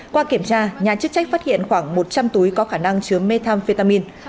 qua kiểm tra nhà chức trách phát hiện khoảng một trăm linh túi có khả năng chứa methamphetamin